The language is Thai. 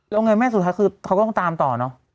แล้วเงินแม่สุดท้ายคือเขาก็ต้องตามต่อเนอะ